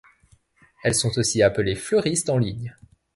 Elles sont aussi appelées fleuristes en ligne.